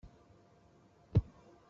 Axxam-nnun deg udrar.